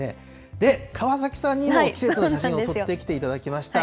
で、川崎さんにも季節の写真を撮ってきていただきました。